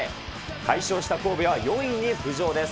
快勝した神戸は４位に浮上です。